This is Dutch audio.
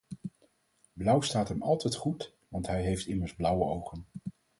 Blauw staat hem altijd goed, want hij heeft immers blauwe ogen.